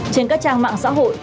trên các trang mạng xã hội